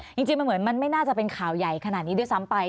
จริงมันเหมือนมันไม่น่าจะเป็นข่าวใหญ่ขนาดนี้ด้วยซ้ำไป